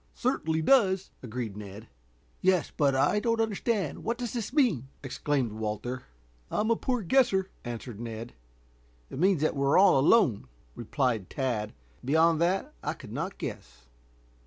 "Certainly does," agreed Ned. "Yes, but I don't understand what does this mean?" exclaimed Walter. "I'm a poor guesser," answered Ned. "It means that we are all alone," replied Tad. "Beyond that I could not guess."